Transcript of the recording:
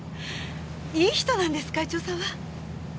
いい人なんです会長さんは。